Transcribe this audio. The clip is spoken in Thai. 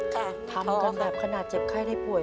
ค่ะท้อค่ะทำกันแบบขนาดเจ็บไข้ได้ป่วย